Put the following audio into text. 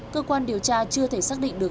cơ quan điều tra chưa thể xác định được